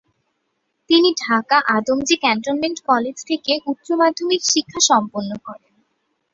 তিনি Dhaka Adamjee cantonment college থেকে উচ্চ মাধ্যমিক শিক্ষা সম্পন্ন করেন।